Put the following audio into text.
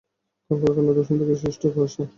কলকারখানার দূষণ থেকে সৃষ্ট কুয়াশা!